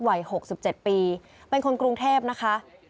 วัยหกสิบเจ็ดปีเป็นคนกรุงเทพนะคะ